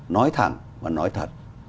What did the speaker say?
nói thẳng và nói thật